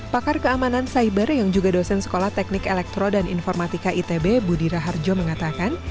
pakar keamanan cyber yang juga dosen sekolah teknik elektro dan informatika itb budi raharjo mengatakan